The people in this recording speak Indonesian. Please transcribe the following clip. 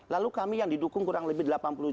lalu kami yang didukung kurang lebih